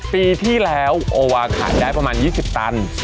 ปีที่แล้วโอวาขายได้ประมาณ๒๐ตัน